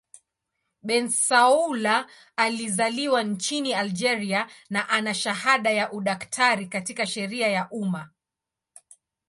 Bensaoula alizaliwa nchini Algeria na ana shahada ya udaktari katika sheria ya umma.